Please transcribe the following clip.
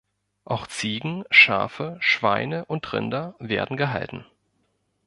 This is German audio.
Auch Ziegen, Schafe, Schweine und Rinder werden gehalten.